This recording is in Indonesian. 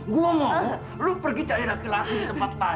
gue mau lo pergi cari laki laki di tempat lain